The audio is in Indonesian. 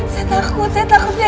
saya takut saya takut ya